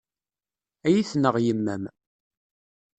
Ad iyi-tneɣ yemma-m.